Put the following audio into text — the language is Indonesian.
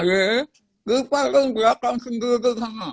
di belakang sendiri itu